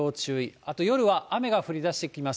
あと夜は雨が降りだしてきます。